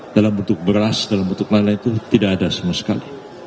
dalam bentuk beras dalam bentuk lain lain itu tidak ada sama sekali